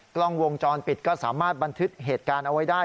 กล้องวงจรปิดก็สามารถบันทึกเหตุการณ์เอาไว้ได้